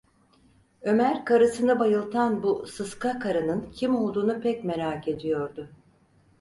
Ömer karısını bayıltan bu sıska karının kim olduğunu pek merak ediyordu.